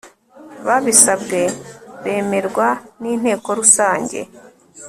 babisabwe bemerwa n'inteko rusange